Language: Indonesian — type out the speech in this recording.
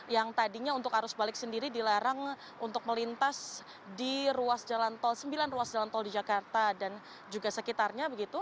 yang tadinya untuk arus balik sendiri dilarang untuk melintas di ruas jalan tol sembilan ruas jalan tol di jakarta dan juga sekitarnya